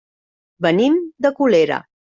Venim de Colera.